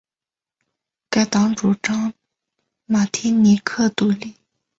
该党主张马提尼克独立。